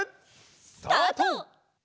スタート！